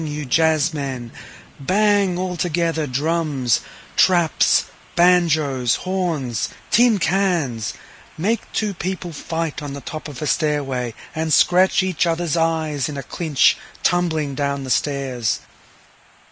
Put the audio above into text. you jazzmen, bang altogether drums, traps, banjoes, horns, tin cans—make two people fight on the top of a stairway and scratch each other's eyes in a clinch tumbling down the stairs.